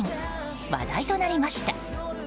話題となりました。